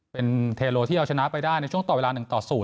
เป็นเทโลที่เอาชนะไปได้ในช่วงต่อเวลา๑ต่อ๐